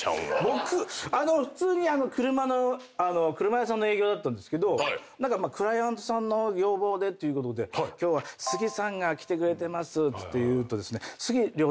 僕普通に車の車屋さんの営業だったんですけどクライアントさんの要望でっていうことで「今日は」つって言うとですね。